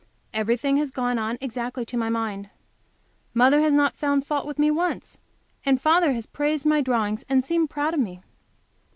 Everything has gone on exactly to my mind. Mother has not found fault with me once, and father has praised my drawings and seemed proud of me.